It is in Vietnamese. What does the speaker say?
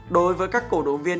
đối với các cổ động viên